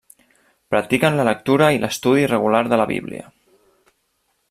Practiquen la lectura i l'estudi regular de la Bíblia.